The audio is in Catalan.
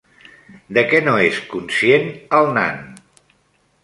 De què no és conscient el nan?